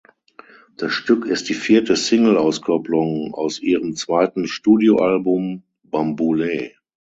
Das Stück ist die vierte Singleauskopplung aus ihrem zweiten Studioalbum "Bambule".